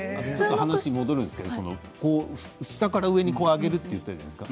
話が戻るんですけど下から上に上げると言ったじゃないですか。